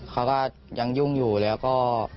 เขาก็ยังยุ่งอยู่แล้วก็